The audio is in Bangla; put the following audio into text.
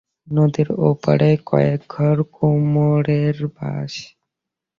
নদীর ওপরেই কয়েক ঘর কুমোরের বাস!